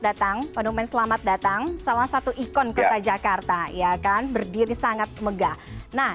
datang monumen selamat datang salah satu ikon kota jakarta ya kan berdiri sangat megah nah